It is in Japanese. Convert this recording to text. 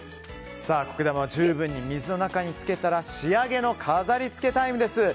苔玉を十分に水の中に浸けたら仕上げの飾りつけタイムです。